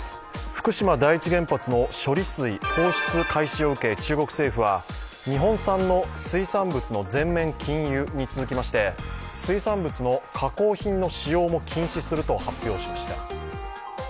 福島第一原発の処理水放出開始を受け中国政府は日本産の水産物の全面禁輸に続きまして、水産物の加工品の使用も禁止すると発表しました。